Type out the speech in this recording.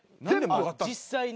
実際に。